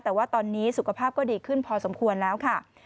แต่ว่าตอนนี้สุขภาพก็ดีขึ้นพอสมควรแล้วค่ะ